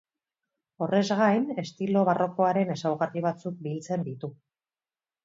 Horrez gain, estilo barrokoaren ezaugarri batzuk biltzen ditu.